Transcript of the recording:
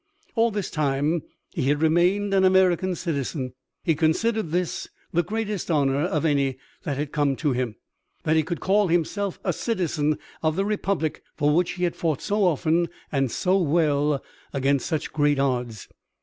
All this time he had remained an American citizen. He considered this the greatest honor of any that had come to him that he could call himself a citizen of the Republic for which he had fought so often and so well against such great odds.